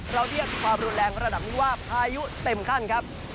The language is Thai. เรียกความรุนแรงระดับนี้ว่าพายุเต็มขั้นครับ